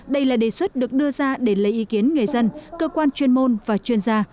đây là đề xuất được đưa ra để lấy ý kiến người dân cơ quan chuyên môn và chuyên gia